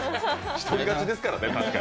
一人勝ちですからね。